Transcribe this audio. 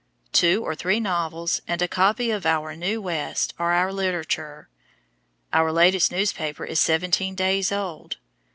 Two or three novels and a copy of Our New West are our literature. Our latest newspaper is seventeen days old.